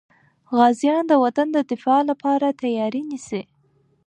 غازیان د وطن د دفاع لپاره تیاري نیسي.